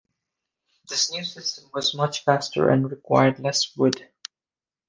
This new system was much faster and required less wood.